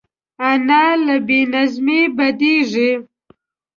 انا له بې نظمۍ بدېږي